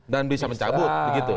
dan bisa mencabut